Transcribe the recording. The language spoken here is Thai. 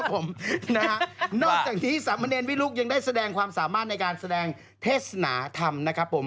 นอกจากนี้สามเณรวิลุคยังได้แสดงความสามารถในการแสดงเทศนาธรรมนะครับผม